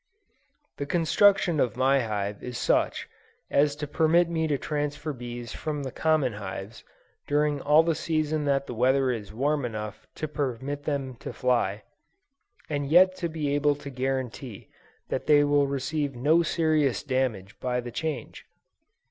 The construction of my hive is such, as to permit me to transfer bees from the common hives, during all the season that the weather is warm enough to permit them to fly; and yet to be able to guarantee that they will receive no serious damage by the change.